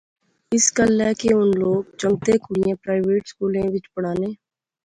اس گلاہ کہ ہن لوک کنگتیں کڑئیں پرائیویٹ سکولیں وچ پڑھانے